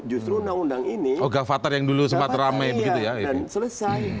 justru undang undang ini gavatar ini ya selesai